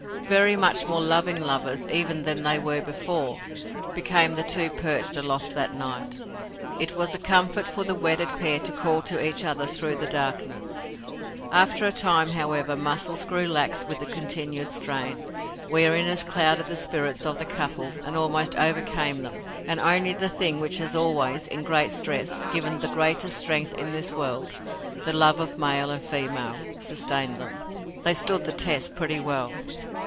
Very much more loving lovers, even, than they were before, became the two perched aloft that night. It was a comfort for the wedded pair to call to each other through the darkness. After a time, however, muscles grew lax with the continued strain. Weariness clouded the spirits of the couple and almost overcame them and only the thing which has always, in great stress, given the greatest strength in this world the love of male and female sustained them. They stood the test pretty well.